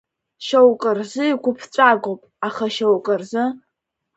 Шьоук рзы игәыԥҵәагоуп, аха шьоукы рзы?